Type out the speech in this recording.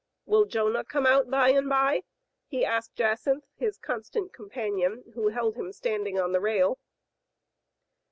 Will Jonah come out by and by?" he asked Jacynth, his constant companion, who held him standing on the rail.